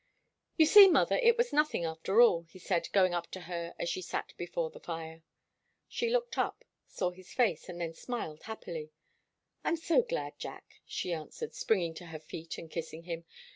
"You see, mother, it was nothing, after all," he said, going up to her as she sat before the fire. She looked up, saw his face, and then smiled happily. "I'm so glad, Jack," she answered, springing to her feet and kissing him.